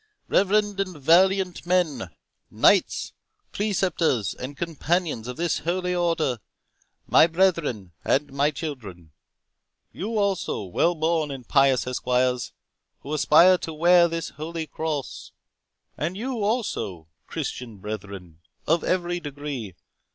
"Reverend and valiant men, Knights, Preceptors, and Companions of this Holy Order, my brethren and my children!—you also, well born and pious Esquires, who aspire to wear this holy Cross!—and you also, Christian brethren, of every degree!